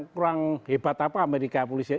kurang hebat apa amerika polisi